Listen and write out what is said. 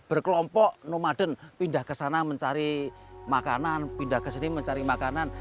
berkelompok nomaden pindah ke sana mencari makanan pindah ke sini mencari makanan